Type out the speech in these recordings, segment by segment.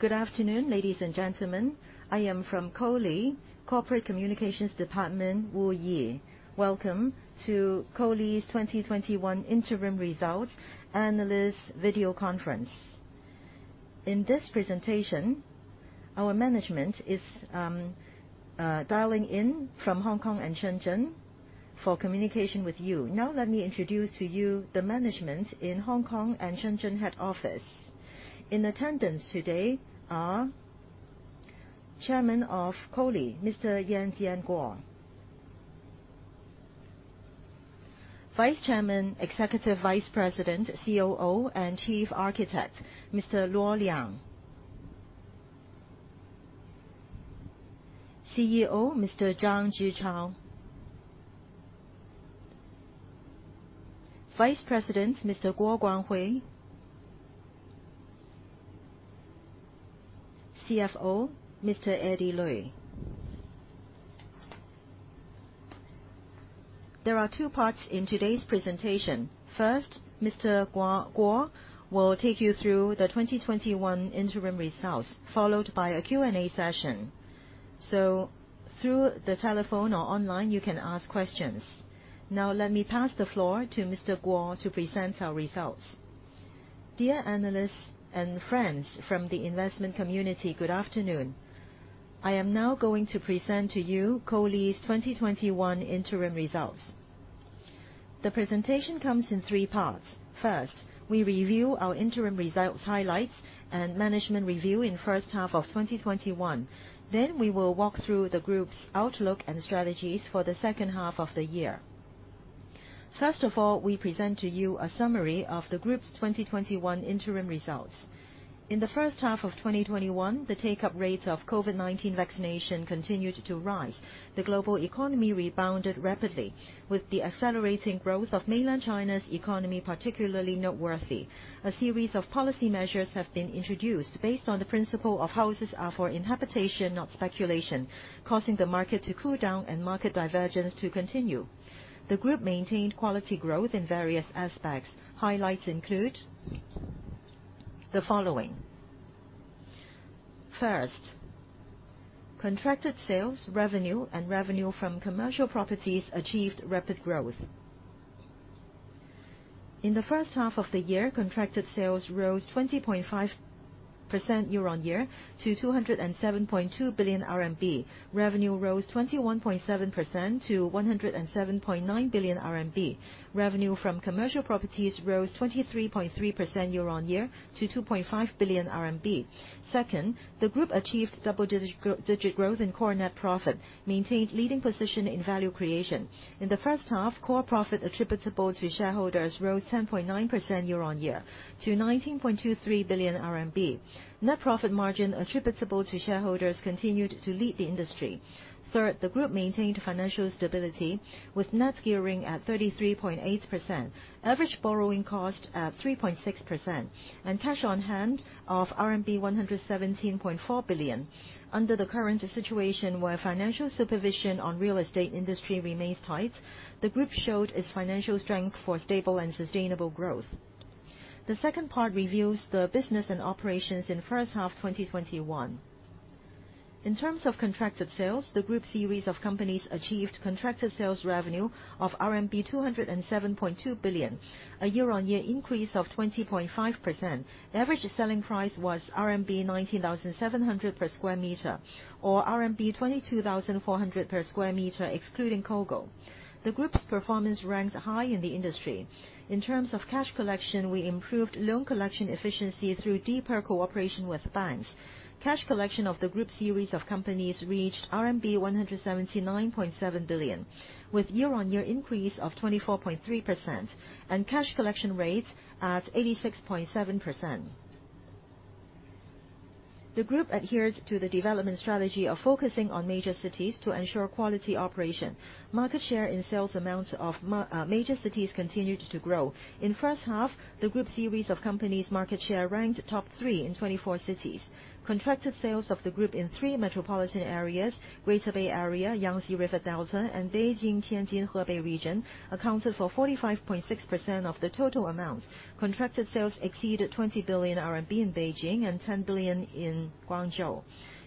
Good afternoon, ladies and gentlemen. I am from COLI, Corporate Communications Department, Wu Yi. Welcome to COLI's 2021 interim results analyst video conference. In this presentation, our management is dialing in from Hong Kong and Shenzhen for communication with you. Let me introduce to you the management in Hong Kong and Shenzhen head office. In attendance today are Chairman of COLI, Yan Jianguo. Vice Chairman, Executive Vice President, COO, and Chief Architect, Luo Liang. CEO, Zhang Zhichao. Vice President, Guo Guanghui. CFO, Eddie Lui. There are two parts in today's presentation. First, Mr. Guo will take you through the 2021 interim results, followed by a Q&A session. Through the telephone or online, you can ask questions. Let me pass the floor to Mr. Guo to present our results. Dear analysts and friends from the investment community, good afternoon. I am now going to present to you COLI's 2021 interim results. The presentation comes in three parts. First, we review our interim results highlights and management review in the first half of 2021. We will walk through the group's outlook and strategies for the second half of the year. First of all, we present to you a summary of the group's 2021 interim results. In the first half of 2021, the take-up rates of COVID-19 vaccination continued to rise. The global economy rebounded rapidly, with the accelerating growth of mainland China's economy particularly noteworthy. A series of policy measures have been introduced based on the principle of houses are for living in, not for speculation, causing the market to cool down and market divergence to continue. The group maintained quality growth in various aspects. Highlights include the following. First, contracted sales, revenue, and revenue from commercial properties achieved rapid growth. In the first half of the year, contracted sales rose 20.5% year-on-year to 207.2 billion RMB. Revenue rose 21.7% to 107.9 billion RMB. Revenue from commercial properties rose 23.3% year-on-year to 2.5 billion RMB. Second, the group achieved double-digit growth in core net profit, maintained leading position in value creation. In the first half, core profit attributable to shareholders rose 10.9% year-on-year to 19.23 billion RMB. Net profit margin attributable to shareholders continued to lead the industry. Third, the group maintained financial stability with net gearing at 33.8%, average borrowing cost at 3.6%, and cash on hand of RMB 117.4 billion. Under the current situation where financial supervision on real estate industry remains tight, the group showed its financial strength for stable and sustainable growth. The second part reviews the business and operations in first half 2021. In terms of contracted sales, the group series of companies achieved contracted sales revenue of RMB 207.2 billion, a year-on-year increase of 20.5%. Average selling price was RMB 19,700 per square meter, or RMB 22,400 per square meter excluding COGO. The group's performance ranks high in the industry. In terms of cash collection, we improved loan collection efficiency through deeper cooperation with banks. Cash collection of the group series of companies reached RMB 179.7 billion, with year-on-year increase of 24.3%, and cash collection rates at 86.7%. The group adheres to the development strategy of focusing on major cities to ensure quality operation. Market share in sales amounts of major cities continued to grow. In the first half, the group series of companies market share ranked top three in 24 cities. Contracted sales of the group in three metropolitan areas, Greater Bay Area, Yangtze River Delta, and Beijing-Tianjin-Hebei region, accounted for 45.6% of the total amounts. Contracted sales exceeded 20 billion RMB in Beijing and 10 billion in Guangzhou.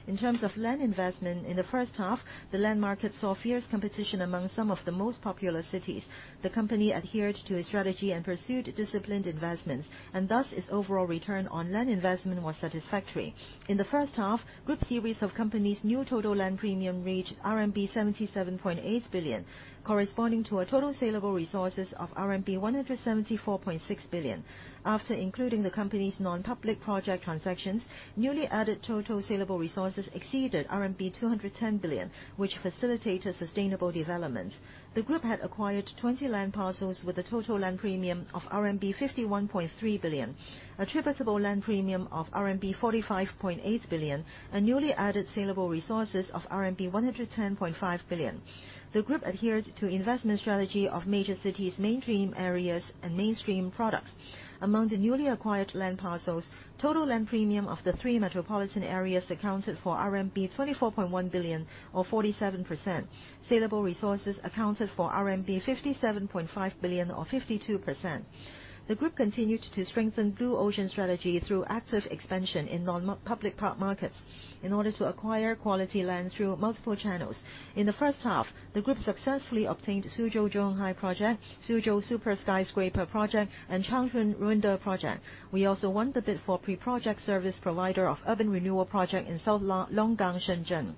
In terms of land investment in the first half, the land market saw fierce competition among some of the most popular cities. The company adhered to a strategy and pursued disciplined investments, and thus its overall return on land investment was satisfactory. In the first half, group series of companies' new total land premium reached RMB 77.8 billion, corresponding to a total saleable resources of RMB 174.6 billion. After including the company's non-public project transactions, newly added total saleable resources exceeded RMB 210 billion, which facilitated sustainable development. The group had acquired 20 land parcels with a total land premium of RMB 51.3 billion, attributable land premium of RMB 45.8 billion, and newly added saleable resources of RMB 110.5 billion. The group adhered to investment strategy of major cities, mainstream areas, and mainstream products. Among the newly acquired land parcels, total land premium of the three metropolitan areas accounted for RMB 24.1 billion, or 47%. Saleable resources accounted for RMB 57.5 billion or 52%. The group continued to strengthen blue ocean strategy through active expansion in non-public part markets in order to acquire quality land through multiple channels. In the first half, the group successfully obtained Suzhou Zhonghai Project, Suzhou Super Skyscraper Project, and Changchun Ruinda Project. We also won the bid for Pre-project Service Provider of Urban Renewal Project in South Longgang, Shenzhen.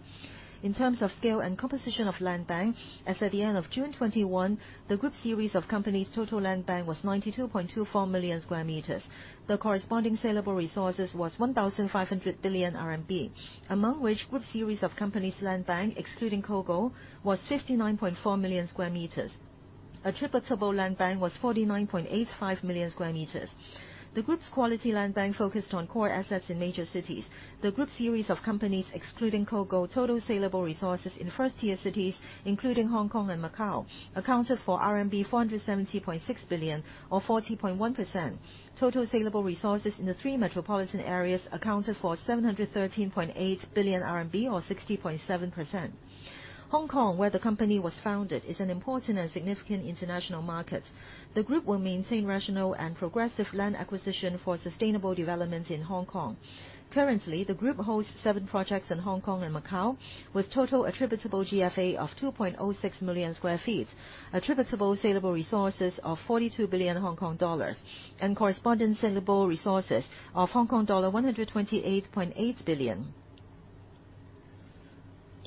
In terms of scale and composition of land bank, as at the end of June 2021, the group series of companies' total land bank was 92.24 million sq m. The corresponding saleable resources was 1,500 billion RMB. Among which, group series of companies' land bank, excluding COGO, was 59.4 million sq m. Attributable land bank was 49.85 million sq m. The group's quality land bank focused on core assets in major cities. The group series of companies, excluding COGO, total saleable resources in first-tier cities, including Hong Kong and Macau, accounted for RMB 470.6 billion or 40.1%. Total saleable resources in the three metropolitan areas accounted for 713.8 billion RMB or 60.7%. Hong Kong, where the company was founded, is an important and significant international market. The group will maintain rational and progressive land acquisition for sustainable developments in Hong Kong. Currently, the group hosts seven projects in Hong Kong and Macau with total attributable GFA of 2.06 million sq ft, attributable saleable resources of 42 billion Hong Kong dollars and corresponding saleable resources of Hong Kong dollar 128.8 billion.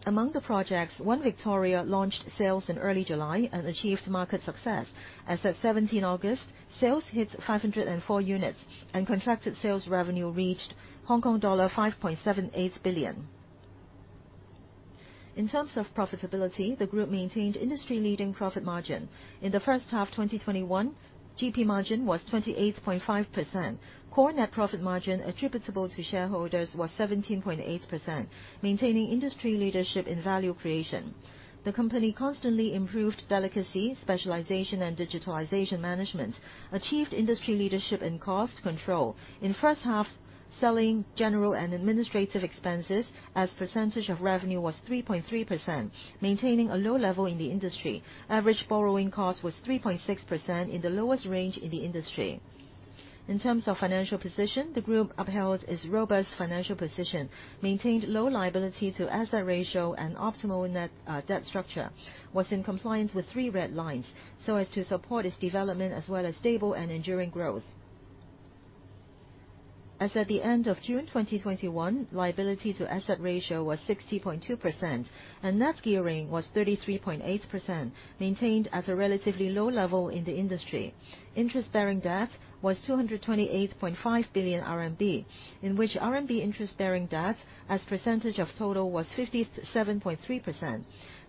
Among the projects, One Victoria launched sales in early July and achieved market success. As of 17 August, sales hit 504 units and contracted sales revenue reached Hong Kong dollar 5.78 billion. In terms of profitability, the group maintained industry-leading profit margin. In the first half of 2021, GP margin was 28.5%. Core net profit margin attributable to shareholders was 17.8%, maintaining industry leadership in value creation. The company constantly improved delicacy, specialization and digitalization management, achieved industry leadership in cost control. In the first half, selling general and administrative expenses as a percentage of revenue was 3.3%, maintaining a low level in the industry. Average borrowing cost was 3.6%, in the lowest range in the industry. In terms of financial position, the group upheld its robust financial position, maintained low liability to asset ratio and optimal net debt structure, was in compliance with three red lines, so as to support its development as well as stable and enduring growth. As at the end of June 2021, the liability to asset ratio was 60.2% and net gearing was 33.8%, maintained at a relatively low level in the industry. Interest-bearing debt was 228.5 billion RMB, in which RMB interest-bearing debt as a percentage of total was 57.3%.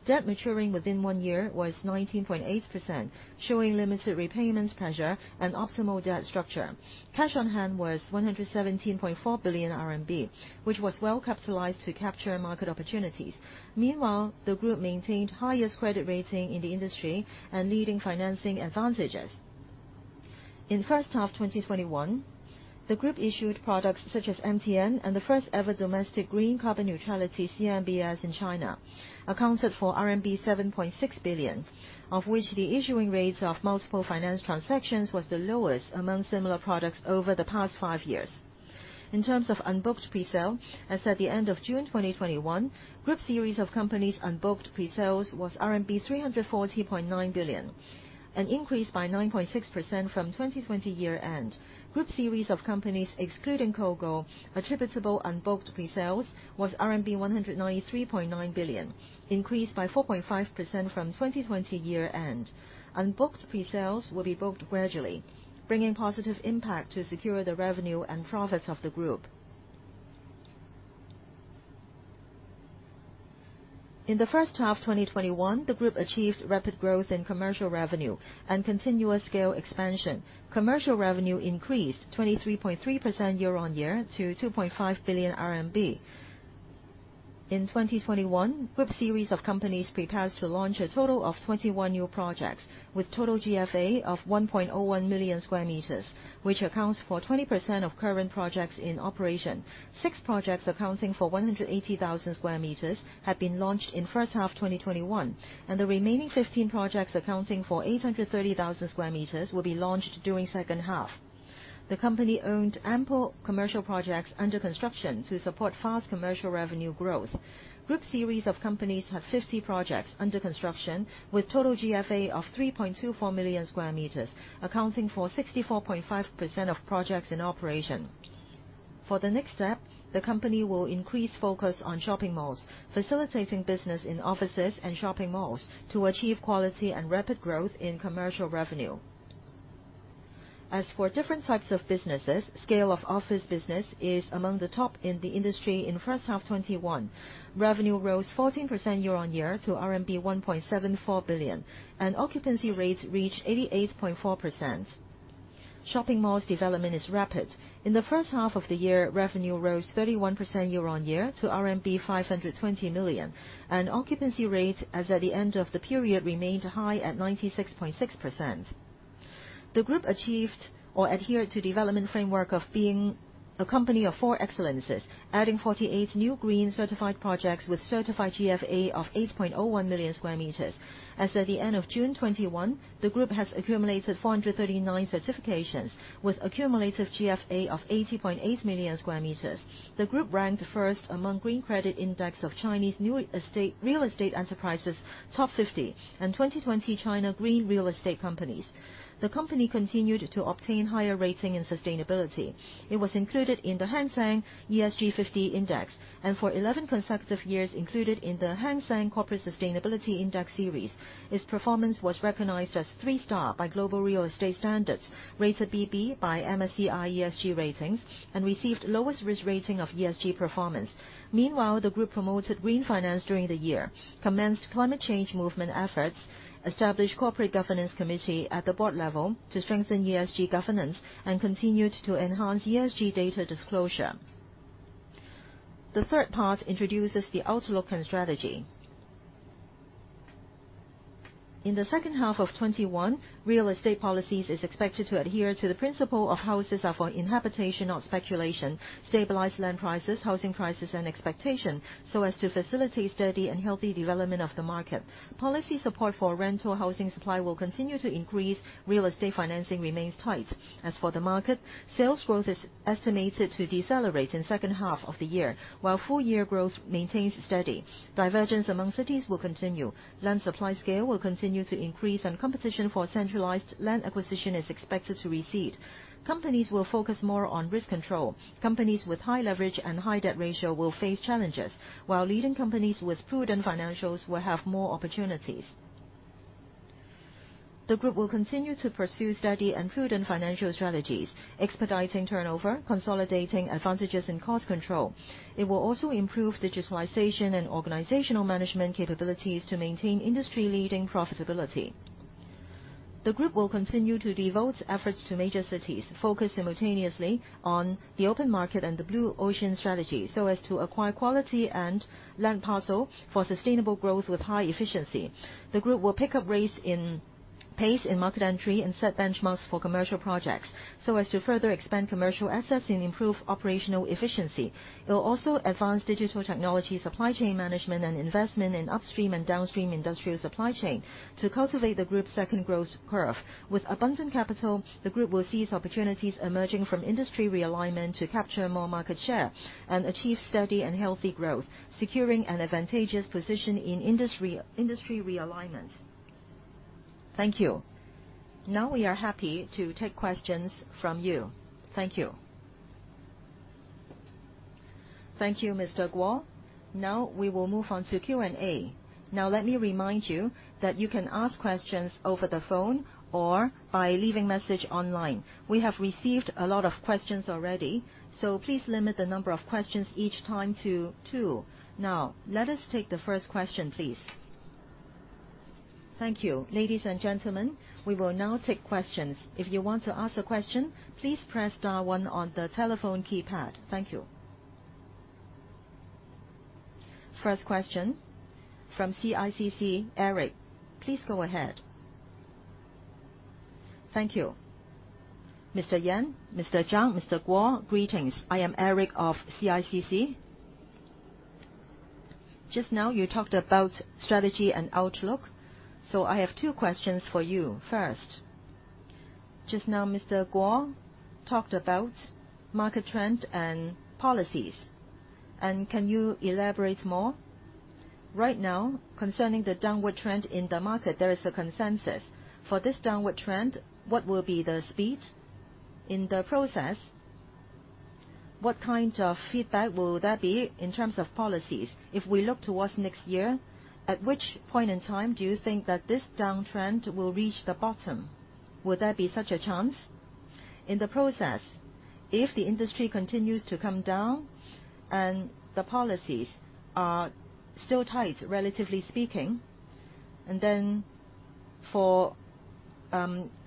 Debt maturing within one year was 19.8%, showing limited repayment pressure and optimal debt structure. Cash on hand was 117.4 billion RMB, which was well capitalized to capture market opportunities. Meanwhile, the group maintained the highest credit rating in the industry and leading financing advantages. In the first half of 2021, the group issued products such as MTN and the first ever domestic green carbon neutrality CMBS in China, accounted for RMB 7.6 billion, of which the issuing rates of multiple finance transactions was the lowest among similar products over the past five years. In terms of unbooked pre-sale, as at the end of June 2021, group series of companies unbooked pre-sales was RMB 340.9 billion, an increase by 9.6% from 2020 year-end. Group series of companies excluding COGO attributable unbooked pre-sales was RMB 193.9 billion, increased by 4.5% from 2020 year-end. Unbooked pre-sales will be booked gradually, bringing positive impact to secure the revenue and profits of the group. In the first half of 2021, the group achieved rapid growth in commercial revenue and continuous scale expansion. Commercial revenue increased 23.3% year-on-year to 2.5 billion RMB. In 2021, group series of companies prepares to launch a total of 21 new projects with total GFA of 1.01 million sq m, which accounts for 20% of current projects in operation. Six projects accounting for 180,000 sq m have been launched in the first half of 2021, and the remaining 15 projects accounting for 830,000 square meters will be launched during the second half. The company owned ample commercial projects under construction to support fast commercial revenue growth. Group series of companies have 50 projects under construction with total GFA of 3.24 million sq m, accounting for 64.5% of projects in operation. For the next step, the company will increase focus on shopping malls, facilitating business in offices and shopping malls to achieve quality and rapid growth in commercial revenue. As for different types of businesses, scale of office business is among the top in the industry in the first half of 2021. Revenue rose 14% year-on-year to RMB 1.74 billion and occupancy rates reached 88.4%. Shopping malls development is rapid. In the first half of the year, revenue rose 31% year-on-year to RMB 520 million and occupancy rate as at the end of the period remained high at 96.6%. The group achieved or adhered to the development framework of being a company of Four Excellences, adding 48 new green certified projects with certified GFA of 8.01 million square meters. As of the end of June 2021, the group has accumulated 439 certifications with a cumulative GFA of 80.8 million sq m. The group ranked first among Green Credit Index of Chinese Real Estate Enterprises top 50 and 2020 China green real estate companies. The company continued to obtain higher rating and sustainability. It was included in the Hang Seng ESG 50 Index and for 11 consecutive years included in the Hang Seng Corporate Sustainability Index series. Its performance was recognized as three-star by Global Real Estate Standards, rated BB by MSCI ESG Ratings and received the lowest risk rating of ESG performance. Meanwhile, the group promoted green finance during the year, commenced climate change movement efforts, established Corporate Governance Committee at the board level to strengthen ESG governance and continued to enhance ESG data disclosure. The third part introduces the outlook and strategy. In the second half of 2021, real estate policies is expected to adhere to the principle of houses are for living in, not for speculation. Stabilize land prices, housing prices, and expectation so as to facilitate steady and healthy development of the market. Policy support for rental housing supply will continue to increase. Real estate financing remains tight. As for the market, sales growth is estimated to decelerate in the second half of the year, while full-year growth maintains steady. Divergence among cities will continue. Land supply scale will continue to increase, and competition for centralized land acquisition is expected to recede. Companies will focus more on risk control. Companies with high leverage and high debt ratio will face challenges, while leading companies with prudent financials will have more opportunities. The group will continue to pursue steady and prudent financial strategies, expediting turnover, consolidating advantages in cost control. It will also improve digitalization and organizational management capabilities to maintain industry-leading profitability. The group will continue to devote efforts to major cities, focus simultaneously on the open market and the blue ocean strategy so as to acquire quality and land parcel for sustainable growth with high efficiency. The group will pick up pace in market entry and set benchmarks for commercial projects so as to further expand commercial assets and improve operational efficiency. It will also advance digital technology supply chain management and investment in upstream and downstream industrial supply chain to cultivate the group's second growth curve. With abundant capital, the group will seize opportunities emerging from industry realignment to capture more market share and achieve steady and healthy growth, securing an advantageous position in industry realignments. Thank you. We are happy to take questions from you. Thank you. Thank you, Mr. Guo. We will move on to Q&A. Let me remind you that you can ask questions over the phone or by leaving a message online. We have received a lot of questions already. Please limit the number of questions each time to two. Now, let us take the first question, please. Thank you, ladies, and gentlemen. We will now take questions if you want to ask a question please press star one on the telephone keypad. Thank you. First question from CICC, Eric, please go ahead. Thank you. Mr. Yan, Mr. Zhang, Mr. Guo, greetings. I am Eric of CICC. Just now, you talked about strategy and outlook. I have two questions for you. First, just now, Mr. Guo talked about market trend and policies. Can you elaborate more? Right now, concerning the downward trend in the market, there is a consensus. For this downward trend, what will be the speed? In the process, what kind of feedback will there be in terms of policies? If we look towards next year, at which point in time do you think that this downtrend will reach the bottom? Would there be such a chance? In the process, if the industry continues to come down, and the policies are still tight, relatively speaking, and then for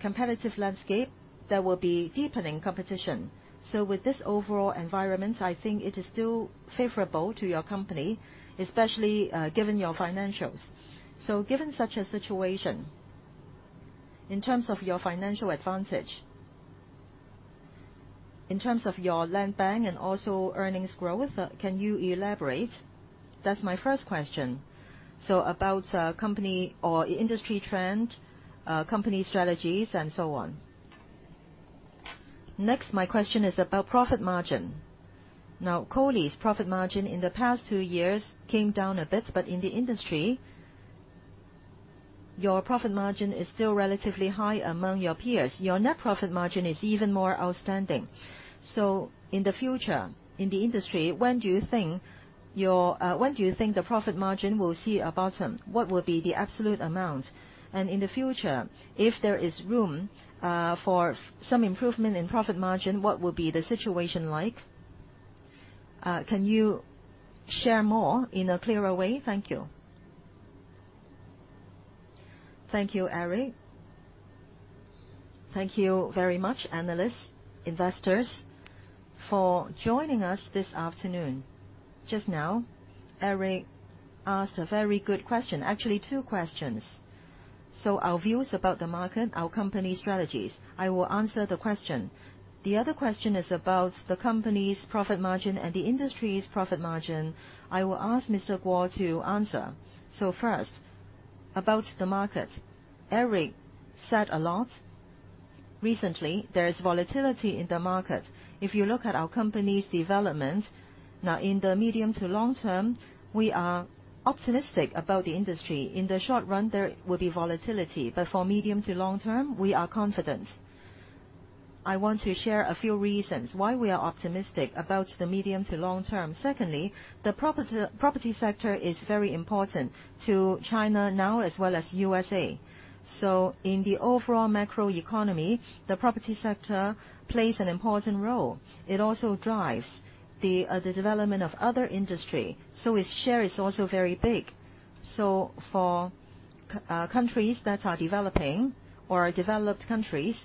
competitive landscape, there will be deepening competition. With this overall environment, I think it is still favorable to your company, especially given your financials. Given such a situation, in terms of your financial advantage, in terms of your land bank and also earnings growth, can you elaborate? That's my first question. About company or industry trend, company strategies, and so on. Next, my question is about profit margin. Now, COLI's profit margin in the past two years came down a bit. In the industry, your profit margin is still relatively high among your peers. Your net profit margin is even more outstanding. In the future, in the industry, when do you think the profit margin will see a bottom? What will be the absolute amount? In the future, if there is room for some improvement in profit margin, what will be the situation like? Can you share more in a clearer way? Thank you. Thank you, Eric. Thank you very much, analysts, investors, for joining us this afternoon. Just now, Eric asked a very good question. Actually, two questions. Our views about the market, our company strategies, I will answer the question. The other question is about the company's profit margin and the industry's profit margin. I will ask Mr. Guo to answer. First, about the market. Eric said a lot. Recently, there is volatility in the market. If you look at our company's development, now in the medium to long term, we are optimistic about the industry. In the short run, there will be volatility. For medium to long term, we are confident. I want to share a few reasons why we are optimistic about the medium to long term. Secondly, the property sector is very important to China now, as well as USA. In the overall macroeconomy, the property sector plays an important role. It also drives the development of other industry. Its share is also very big. For countries that are developing or are developed countries,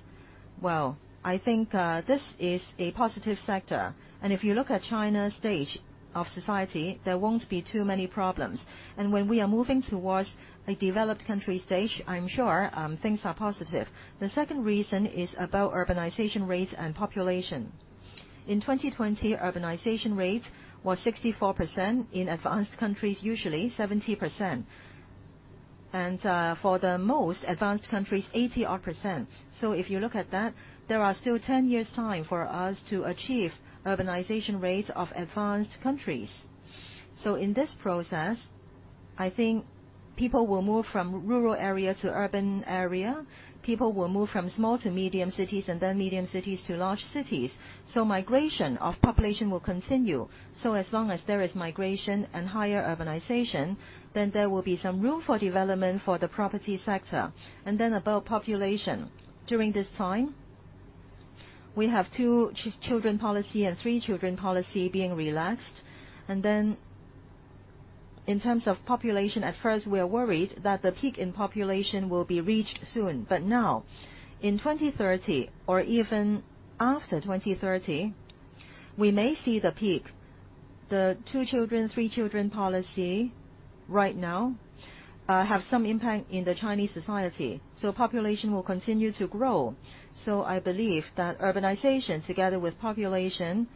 well, I think this is a positive sector. If you look at China's stage of society, there won't be too many problems. When we are moving towards a developed country stage, I'm sure things are positive. The second reason is about urbanization rates and population. In 2020, urbanization rates was 64%. In advanced countries, usually 70%. For the most advanced countries, 80% odd. If you look at that, there are still 10 years' time for us to achieve urbanization rates of advanced countries. In this process, I think people will move from rural area to urban area. People will move from small to medium cities, then medium cities to large cities. Migration of population will continue. As long as there is migration and higher urbanization, there will be some room for development for the property sector. About population. During this time, we have two-children policy and three-children policy being relaxed. In terms of population, at first, we are worried that the peak in population will be reached soon, now, in 2030 or even after 2030, we may see the peak. The two children, three children policy right now have some impact in the Chinese society. Population will continue to grow. I believe that urbanization, together with population,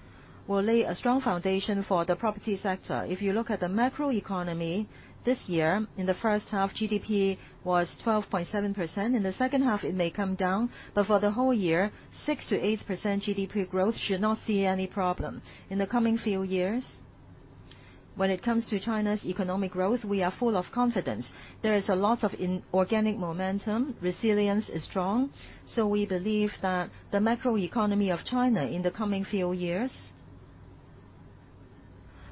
will lay a strong foundation for the property sector. If you look at the macro economy this year, in the first half, GDP was 12.7%. In the second half, it may come down. For the whole year, 6%-8% GDP growth should not see any problem. In the coming few years, when it comes to China's economic growth, we are full of confidence. There is a lot of organic momentum. Resilience is strong. We believe that the macro economy of China in the coming few years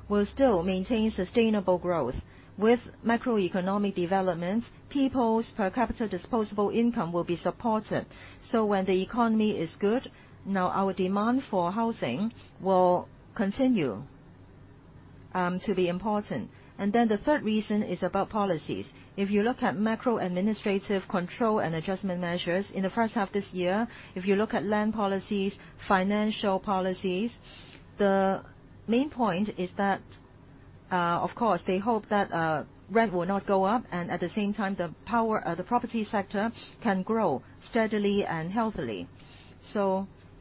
will still maintain sustainable growth. With macroeconomic development, people's per capita disposable income will be supported. When the economy is good, now our demand for housing will continue to be important. The third reason is about policies. If you look at macro administrative control and adjustment measures in the first half of this year, if you look at land policies, financial policies, the main point is that, of course, they hope that rent will not go up, and at the same time, the property sector can grow steadily and healthily.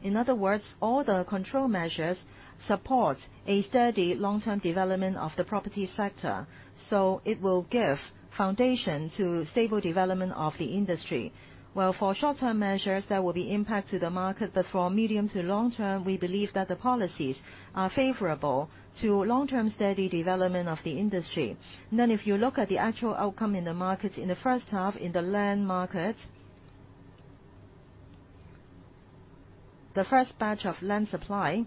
In other words, all the control measures support a steady long-term development of the property sector. It will give foundation to stable development of the industry. Well, for short-term measures, there will be impact to the market. For medium to long-term, we believe that the policies are favorable to long-term steady development of the industry. If you look at the actual outcome in the market, in the 1st half, in the land market, the first batch of land supply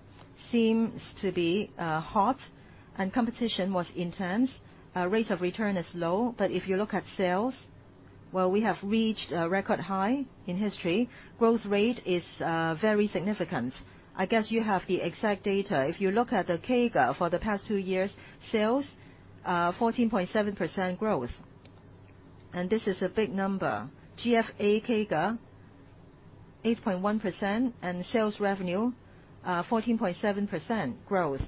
seems to be hot and competition was intense. Rate of return is low. If you look at sales, well, we have reached a record high in history. Growth rate is very significant. I guess you have the exact data. If you look at the CAGR for the past two years, sales, 14.7% growth. This is a big number. GFA CAGR, 8.1%, and sales revenue, 14.7% growth.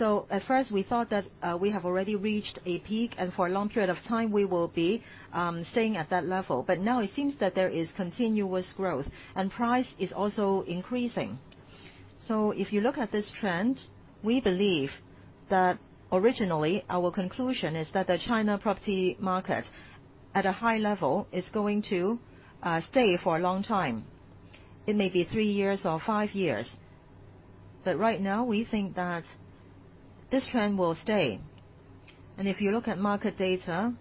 At first, we thought that we have already reached a peak, and for a long period of time we will be staying at that level. Now it seems that there is continuous growth, and price is also increasing. If you look at this trend, we believe that originally our conclusion is that the China property market at a high level is going to stay for a long time. It may be three years or five years. Right now, we think that this trend will stay. If you look at market data,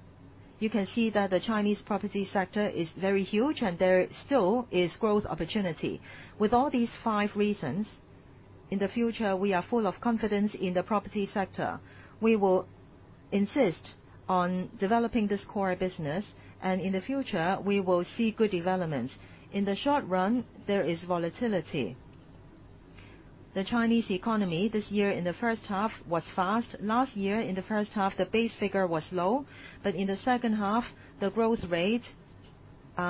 you can see that the Chinese property sector is very huge and there still is growth opportunity. With all these five reasons, in the future, we are full of confidence in the property sector. We will insist on developing this core business, and in the future, we will see good developments. In the short run, there is volatility. The Chinese economy this year in the first half was fast. Last year in the first half, the base figure was low. In the second half, the growth rate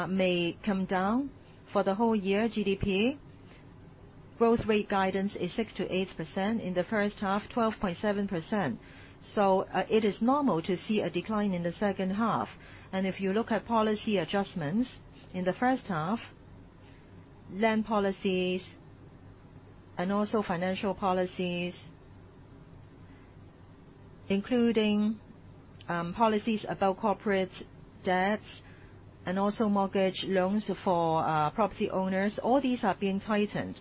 may come down. For the whole year GDP growth rate guidance is 6%-8%. In the first half, 12.7%. It is normal to see a decline in the second half. If you look at policy adjustments, in the first half, land policies and also financial policies, including policies about corporate debts and also mortgage loans for property owners, all these are being tightened.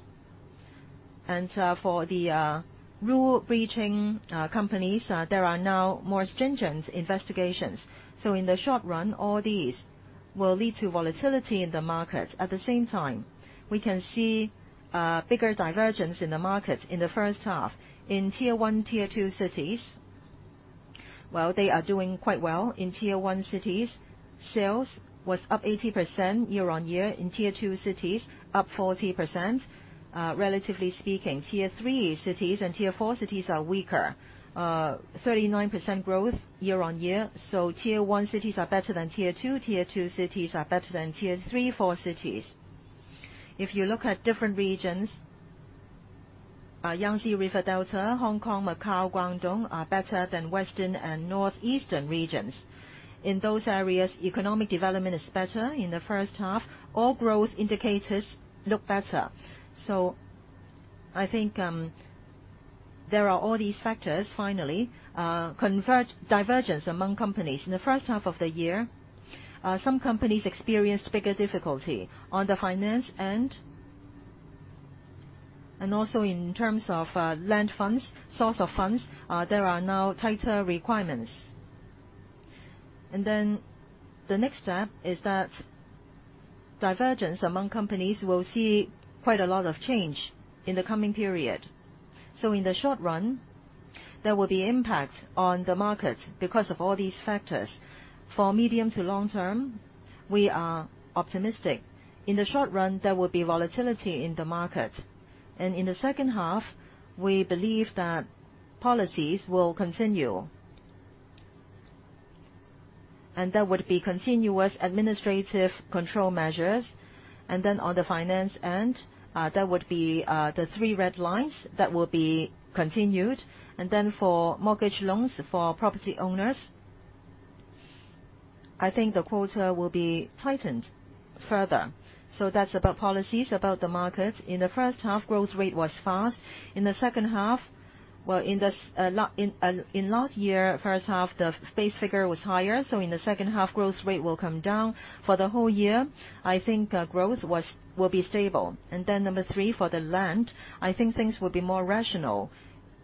For the rule-breaching companies, there are now more stringent investigations. In the short run, all these will lead to volatility in the market. At the same time, we can see a bigger divergence in the market in the first half. In tier one, tier two cities, they are doing quite well. In tier one cities, sales was up 18% year-on-year. In tier two cities, up 40%, relatively speaking. Tier three cities and tier four cities are weaker. 39% growth year-on-year. Tier one cities are better than tier two. Tier two cities are better than tier three, four cities. If you look at different regions, Yangtze River Delta, Hong Kong, Macau, Guangdong are better than Western and Northeastern regions. In those areas, economic development is better. In the first half, all growth indicators look better. I think There are all these factors, finally, divergence among companies. In the first half of the year, some companies experienced bigger difficulty on the finance end, and also in terms of land funds, source of funds, there are now tighter requirements. The next step is that divergence among companies will see quite a lot of change in the coming period. In the short run, there will be impact on the market because of all these factors. For medium to long term, we are optimistic. In the short run, there will be volatility in the market. In the second half, we believe that policies will continue, and there would be continuous administrative control measures. On the finance end, there would be the three red lines that will be continued. For mortgage loans for property owners, I think the quota will be tightened further. That's about policies, about the market. In the first half, growth rate was fast. In last year, first half, the base figure was higher, so in the second half, growth rate will come down. For the whole year, I think growth will be stable. Number three, for the land, I think things will be more rational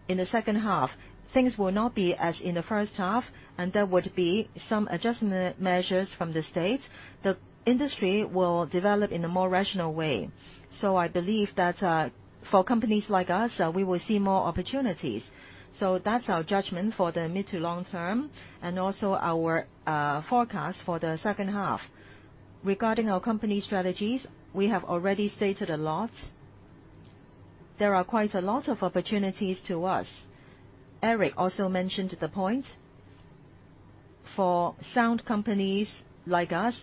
in the second half. Things will not be as in the first half, and there would be some adjustment measures from the state. The industry will develop in a more rational way. I believe that for companies like us, we will see more opportunities. That's our judgment for the mid to long term and also our forecast for the second half. Regarding our company strategies, we have already stated a lot. There are quite a lot of opportunities to us. Eric also mentioned the point. For sound companies like us,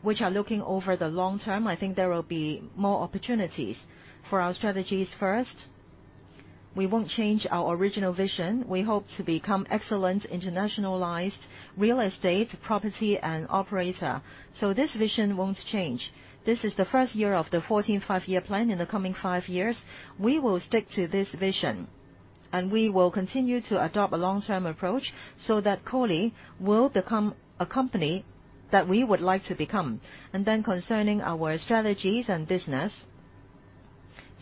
which are looking over the long term, I think there will be more opportunities. For our strategies first, we won't change our original vision. We hope to become excellent internationalized real estate, property, and operator. This vision won't change. This is the first year of the 14th Five-Year Plan. In the coming five years, we will stick to this vision, and we will continue to adopt a long-term approach so that COLI will become a company that we would like to become. Concerning our strategies and business,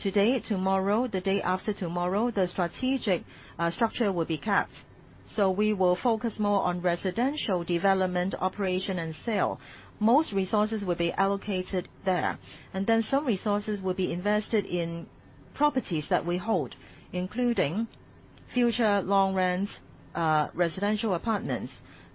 today, tomorrow, the day after tomorrow, the strategic structure will be kept. We will focus more on residential development, operation, and sale. Most resources will be allocated there. Some resources will be invested in properties that we hold, including future long-rent residential apartments.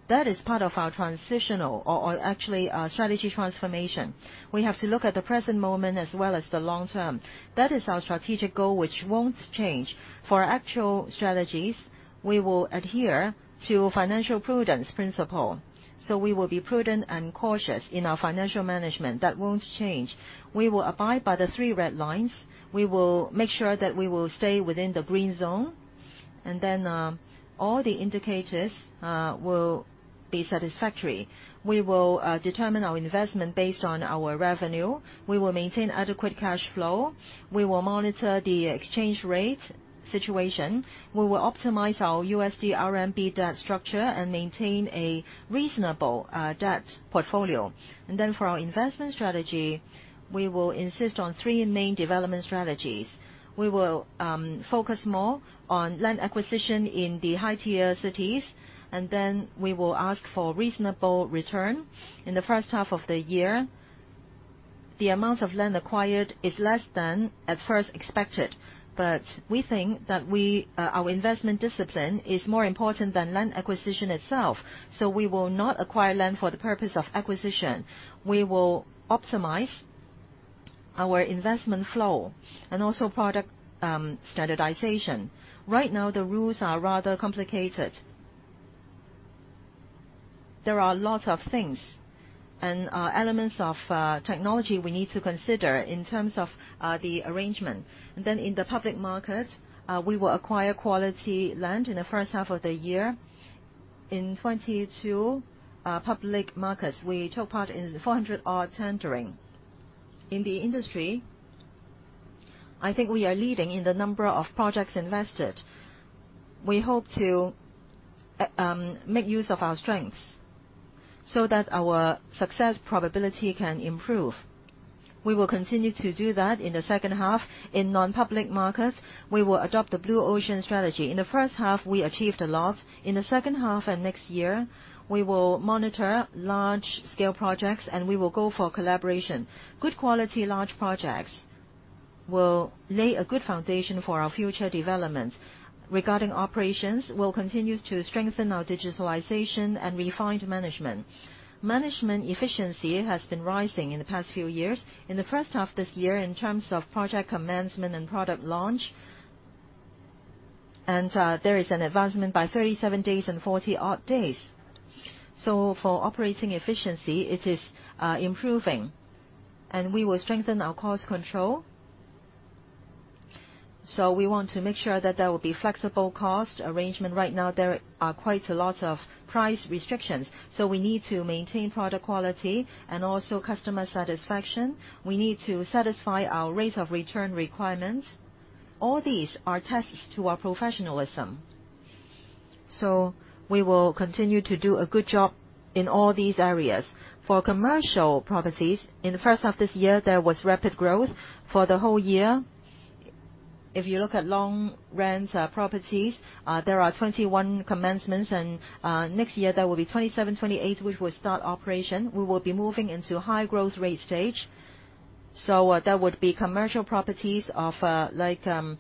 That is part of our transitional or actually strategy transformation. We have to look at the present moment as well as the long term. That is our strategic goal, which won't change. For our actual strategies, we will adhere to financial prudence principle. We will be prudent and cautious in our financial management. That won't change. We will abide by the Three Red Lines. We will make sure that we will stay within the green zone. All the indicators will be satisfactory. We will determine our investment based on our revenue. We will maintain adequate cash flow. We will monitor the exchange rate situation. We will optimize our USD RMB debt structure and maintain a reasonable debt portfolio. For our investment strategy, we will insist on three main development strategies. We will focus more on land acquisition in the high-tier cities. We will ask for reasonable return. In the first half of the year, the amount of land acquired is less than at first expected. We think that our investment discipline is more important than land acquisition itself. We will not acquire land for the purpose of acquisition. We will optimize our investment flow and also product standardization. Right now, the rules are rather complicated. There are lots of things and elements of technology we need to consider in terms of the arrangement. In the public market, we will acquire quality land in the first half of the year. In 2022 public markets, we took part in 400 odd tendering. In the industry, I think we are leading in the number of projects invested. We hope to make use of our strengths so that our success probability can improve. We will continue to do that in the second half. In non-public markets, we will adopt the blue ocean strategy. In the first half, we achieved a lot. In the second half and next year, we will monitor large-scale projects, and we will go for collaboration. Good quality large projects will lay a good foundation for our future development. Regarding operations, we'll continue to strengthen our digitalization and refined management. Management efficiency has been rising in the past few years. In the first half this year, in terms of project commencement and product launch, there is an advancement by 37 days and 40 odd days. For operating efficiency, it is improving, and we will strengthen our cost control. We want to make sure that there will be flexible cost arrangement. Right now, there are quite a lot of price restrictions. We need to maintain product quality and also customer satisfaction. We need to satisfy our rate of return requirements. All these are tests to our professionalism. We will continue to do a good job in all these areas. For commercial properties, in the first half of this year, there was rapid growth. For the whole year, if you look at long rent properties, there are 21 commencements and next year there will be 27, 28, which will start operation. We will be moving into high growth rate stage. That would be commercial properties of like 400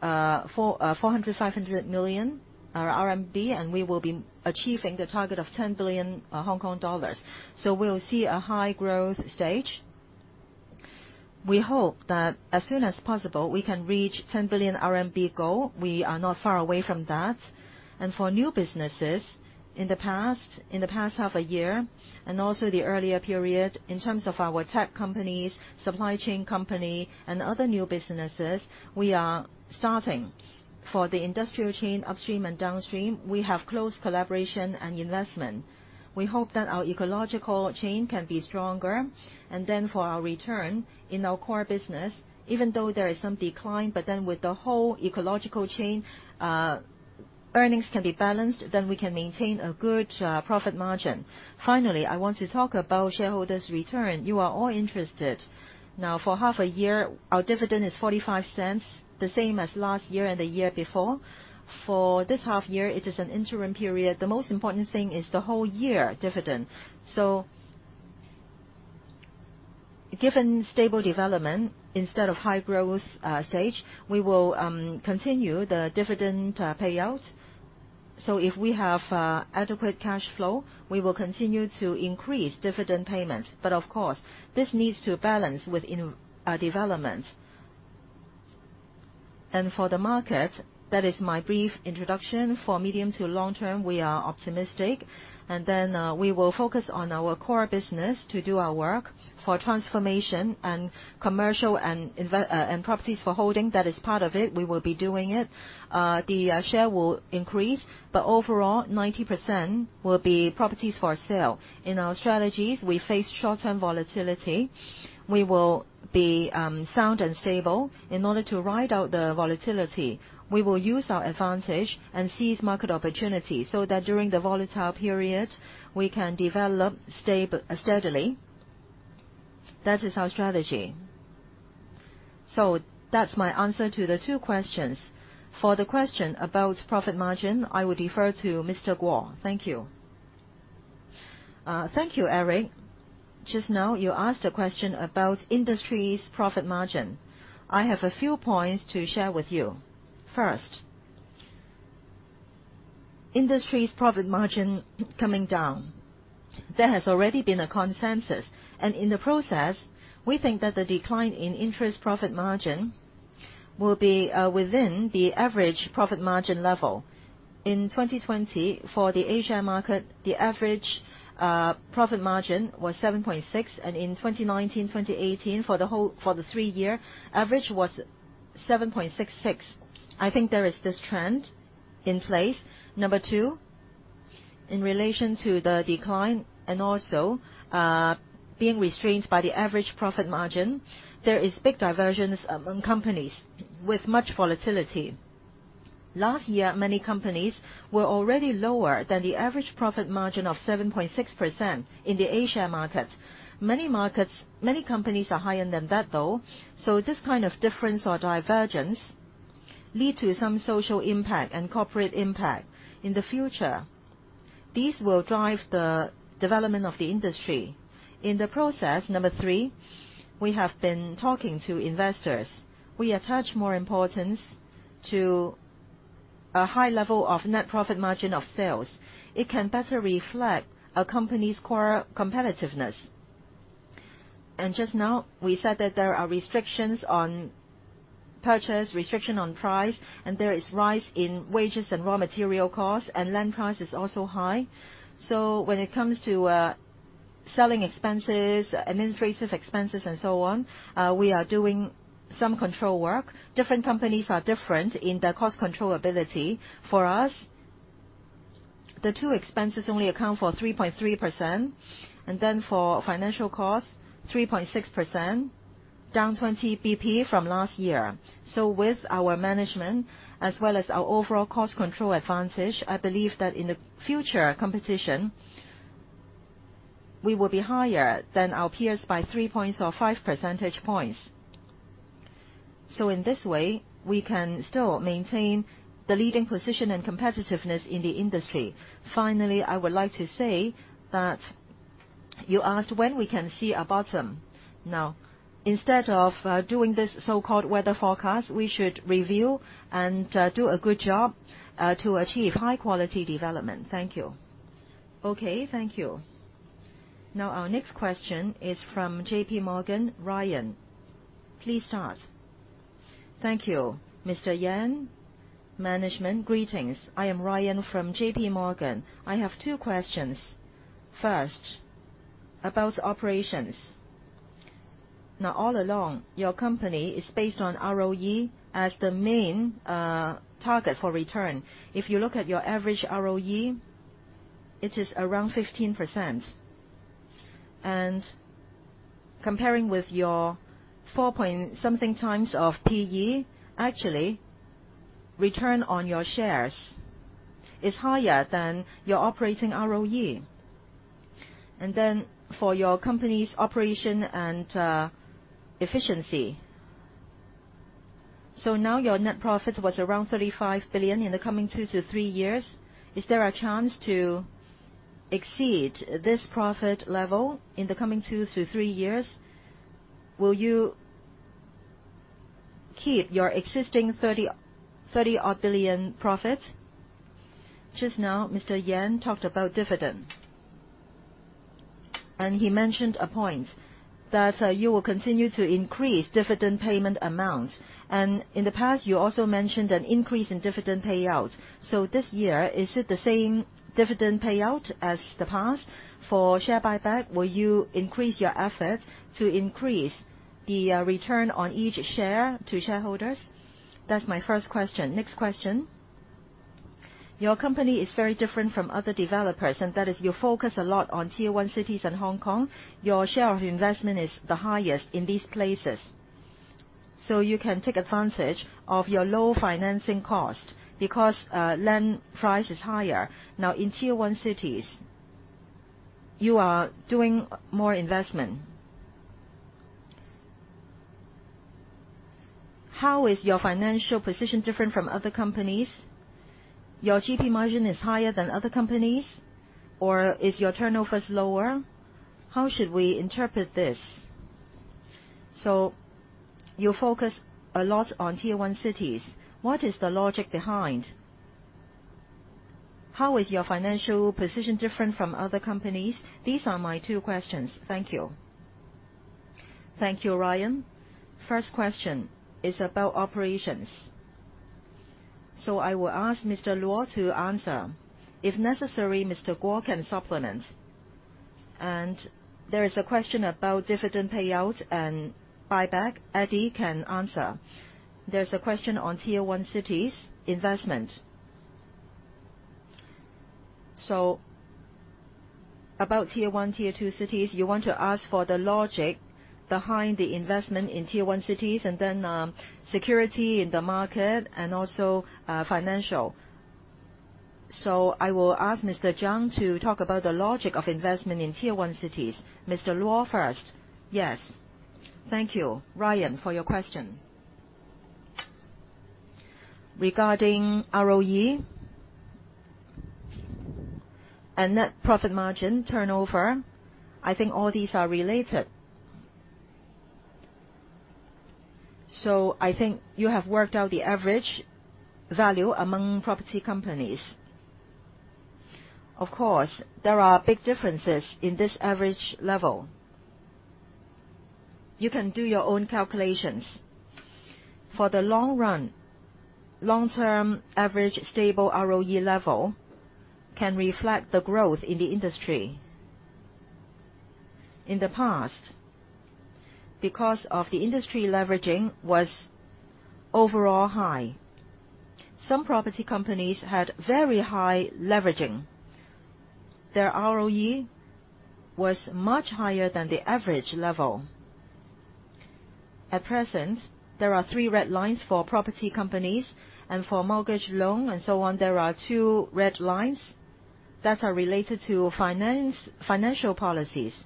million-500 million RMB, and we will be achieving the target of 10 billion Hong Kong dollars. We'll see a high growth stage. We hope that as soon as possible we can reach 10 billion RMB goal. We are not far away from that. For new businesses, in the past half a year and also the earlier period, in terms of our tech companies, supply chain company, and other new businesses, we are starting. For the industrial chain upstream and downstream, we have close collaboration and investment. We hope that our ecological chain can be stronger. For our return in our core business, even though there is some decline, with the whole ecological chain, earnings can be balanced, we can maintain a good profit margin. I want to talk about shareholders' return. You are all interested. For half a year, our dividend is 0.45, the same as last year and the year before. For this half year, it is an interim period. The most important thing is the whole year dividend. Given stable development instead of high growth stage, we will continue the dividend payouts. If we have adequate cash flow, we will continue to increase dividend payments. Of course, this needs to balance with our developments. For the market, that is my brief introduction. For medium to long term, we are optimistic. We will focus on our core business to do our work for transformation and commercial and properties for holding. That is part of it. We will be doing it. The share will increase, but overall, 90% will be properties for sale. In our strategies, we face short-term volatility. We will be sound and stable. In order to ride out the volatility, we will use our advantage and seize market opportunity so that during the volatile period, we can develop steadily. That is our strategy. That's my answer to the two questions. For the question about profit margin, I would defer to Mr. Guo. Thank you. Thank you, Eric. Just now you asked a question about industry's profit margin. I have a few points to share with you. First, industry's profit margin coming down. There has already been a consensus, and in the process, we think that the decline in interest profit margin will be within the average profit margin level. In 2020, for the A-share market, the average profit margin was 7.6, and in 2019, 2018, for the three year, average was 7.66. I think there is this trend in place. Number two, in relation to the decline and also being restrained by the average profit margin, there is big divergence among companies with much volatility. Last year, many companies were already lower than the average profit margin of 7.6% in the A-share market. Many companies are higher than that, though. This kind of difference or divergence lead to some social impact and corporate impact. In the future, these will drive the development of the industry. In the process, Number three, we have been talking to investors. We attach more importance to a high level of net profit margin of sales. It can better reflect a company's core competitiveness. Just now, we said that there are restrictions on purchase, restriction on price, there is rise in wages and raw material costs, and land price is also high. When it comes to selling expenses, administrative expenses, and so on, we are doing some control work. Different companies are different in their cost control ability. For us, the two expenses only account for 3.3%, for financial costs, 3.6%, down 20 BP from last year. With our management as well as our overall cost control advantage, I believe that in the future competition, we will be higher than our peers by three points or five percentage points. In this way, we can still maintain the leading position and competitiveness in the industry. Finally, I would like to say that you asked when we can see a bottom. Instead of doing this so-called weather forecast, we should review and do a good job to achieve high-quality development. Thank you. Okay. Thank you. Our next question is from JPMorgan, Ryan. Please start. Thank you. Mr. Yan, management, greetings. I am Ryan from JPMorgan. I have two questions. First, about operations. All along, your company is based on ROE as the main target for return. If you look at your average ROE, it is around 15%. Comparing with your four point something times of P/E, actually return on your shares is higher than your operating ROE, and then for your company's operation and efficiency. Your net profit was around 35 billion in the coming two to three years. Is there a chance to exceed this profit level in the coming two to three years? Will you keep your existing 30 odd billion profit? Just now Mr. Yan talked about dividend. He mentioned a point that you will continue to increase dividend payment amounts. In the past you also mentioned an increase in dividend payout. This year, is it the same dividend payout as the past? For share buyback, will you increase your effort to increase the return on each share to shareholders? That's my first question. Next question. Your company is very different from other developers, and that is you focus a lot on tier one cities and Hong Kong. Your share of investment is the highest in these places. You can take advantage of your low financing cost because land price is higher. Now in tier one cities, you are doing more investment. How is your financial position different from other companies? Your GP margin is higher than other companies, or is your turnover lower? How should we interpret this? You focus a lot on tier one cities. What is the logic behind? How is your financial position different from other companies? These are my two questions. Thank you. Thank you, Ryan. First question is about operations. I will ask Mr. Luo to answer. If necessary, Mr. Guo can supplement. There is a question about dividend payout and buyback. Eddie can answer. There is a question on tier one cities investment. About tier one, tier two cities, you want to ask for the logic behind the investment in tier one cities and then security in the market and also financial. I will ask Mr. Zhang to talk about the logic of investment in tier one cities. Mr. Luo first. Yes. Thank you, Ryan, for your question. Regarding ROE and net profit margin turnover, I think all these are related. I think you have worked out the average value among property companies. Of course, there are big differences in this average level. You can do your own calculations. For the long run, long-term average stable ROE level can reflect the growth in the industry. In the past, because of the industry leveraging was overall high, some property companies had very high leveraging. Their ROE was much higher than the average level. At present, there are three red lines for property companies and for mortgage loan and so on. There are two red lines that are related to financial policies.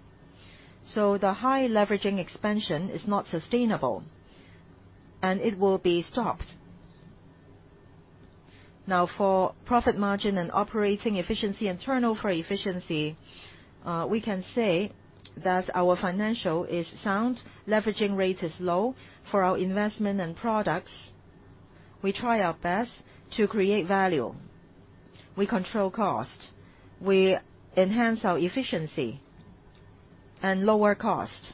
The high leveraging expansion is not sustainable, and it will be stopped. For profit margin and operating efficiency and turnover efficiency, we can say that our financial is sound, leveraging rate is low. For our investment and products, we try our best to create value. We control cost. We enhance our efficiency and lower cost.